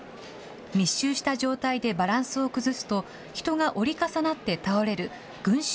密集した状態でバランスを崩すと、人が折り重なって倒れる群集